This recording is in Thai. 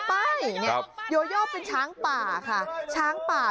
ไปก่อนช่วยกันนะครับ